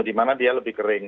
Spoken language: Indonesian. di mana dia lebih kering